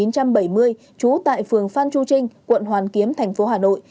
trú tại phường phan chu trinh quận hoàn kiếm thành phố hà nội